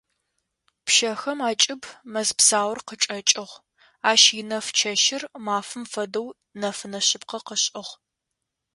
Пщэхэм акӏыб мэз псаур къычӏэкӏыгъ, ащ инэф чэщыр мафэм фэдэу нэфынэ шъыпкъэ къышӏыгъ.